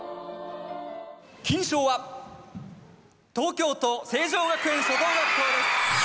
金賞は東京都成城学園初等学校です。